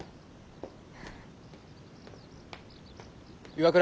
岩倉。